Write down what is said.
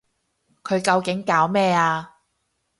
佢究竟搞咩啊？